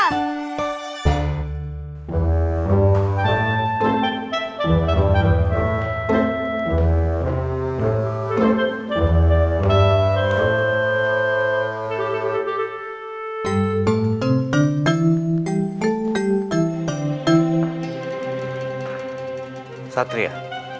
saya ingin mengucapkan salam